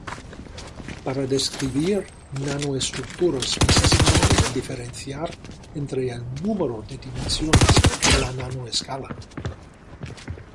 Para describir nanoestructuras necesitamos diferenciar entre el número de dimensiones en la nanoescala.